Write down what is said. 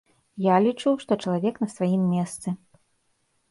Я лічу, што чалавек на сваім месцы.